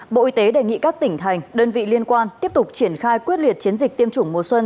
bộ y tế đề nghị các tỉnh thành đơn vị liên quan tiếp tục triển khai quyết liệt chiến dịch tiêm chủng mùa xuân